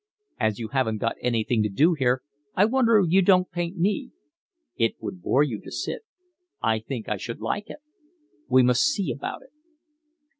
"As you haven't got anything to do here I wonder you don't paint me." "It would bore you to sit." "I think I should like it." "We must see about it."